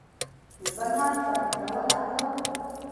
د بل حق خوندي کول اخلاق دی.